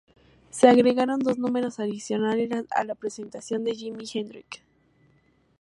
Se agregaron dos números adicionales a la presentación de Jimi Hendrix.